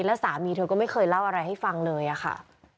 แล้วสามีเธอก็ไม่เคยเล่าอะไรให้ฟังเลยอะค่ะ